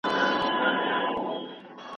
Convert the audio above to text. د بلاک خلک اوس زموږ په اړه خبرې کوي.